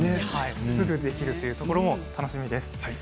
すぐできるというところも楽しいです。